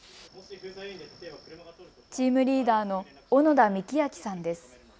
チームリーダーの小野田樹晃さんです。